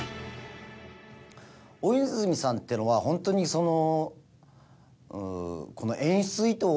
大泉さんってのはホントにその。